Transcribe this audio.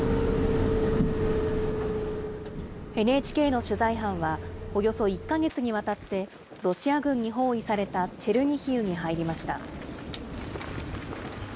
ＮＨＫの取材班は、およそ１か月にわたって、ロシア軍に包囲されたチェルニヒウに入りました。